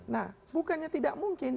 nah bukannya tidak mungkin